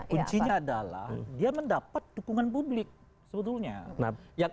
kuncinya adalah dia mendapat dukungan publik sebetulnya